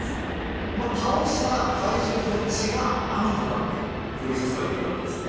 もう倒した怪獣の血が雨となって降り注いでいるわけですね。